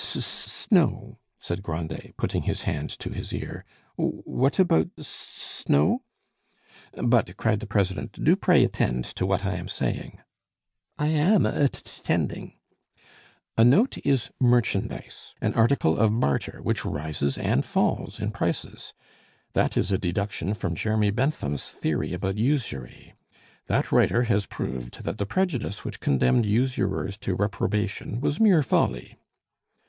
"Sn n now," said Grandet, putting his hand to his ear, "wh wh what about s now?" "But," cried the president, "do pray attend to what I am saying." "I am at t tending." "A note is merchandise, an article of barter which rises and falls in prices. That is a deduction from Jeremy Bentham's theory about usury. That writer has proved that the prejudice which condemned usurers to reprobation was mere folly."